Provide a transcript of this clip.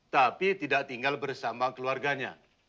tapi tidak tinggal bersama keluarganya